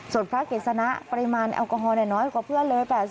ส่วนพระเกษณะปริมาณแอลกอฮอลน้อยกว่าเพื่อนเลย